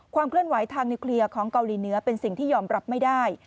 เคลื่อนไหวทางนิวเคลียร์ของเกาหลีเหนือเป็นสิ่งที่ยอมรับไม่ได้